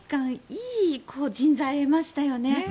いい人材を得ましたよね。